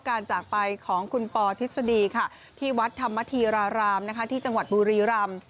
จากไปของคุณปอทฤษฎีค่ะที่วัดธรรมธีรารามที่จังหวัดบุรีรำ